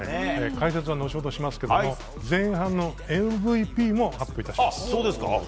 解説は後ほどしますが前半のＭＶＰも発表致します。